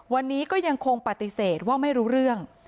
วันนี้ก็ยังคงปฏิเสธว่าไม่รู้เรื่อง